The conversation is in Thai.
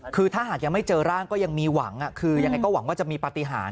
คือถ้าหากยังไม่เจอร่างก็ยังมีหวังคือยังไงก็หวังว่าจะมีปฏิหาร